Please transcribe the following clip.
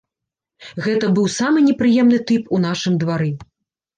Гэта быў самы непрыемны тып у нашым двары.